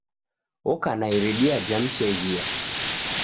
Oka na iridia ja mcheghia.